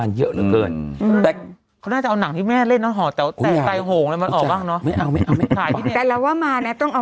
แต่เราว่ามาเนี่ยต้องเอามา